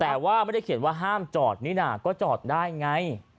แต่ว่าไม่ได้เขียนว่าห้ามจอดนี่น่ะก็จอดได้ไง